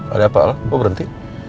ada apa pak kok berhenti